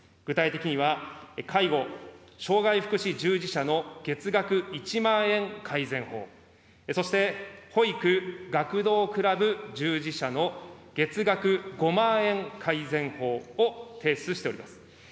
具体的には、介護・障害福祉従事者の月額１万円改善法、そして保育・学童クラブ従事者の月額５万円改善法を提出しております。